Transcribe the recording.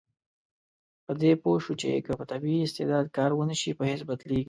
په دې پوه شو چې که په طبیعي استعداد کار ونشي، په هېڅ بدلیږي.